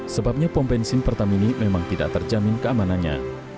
sebabnya pom bensin pertamini memang tidak terjamin keamanannya